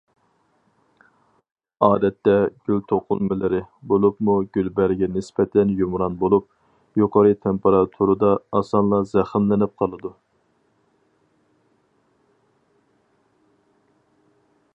ئادەتتە، گۈل توقۇلمىلىرى، بولۇپمۇ گۈل بەرگى نىسبەتەن يۇمران بولۇپ، يۇقىرى تېمپېراتۇرىدا ئاسانلا زەخىملىنىپ قالىدۇ.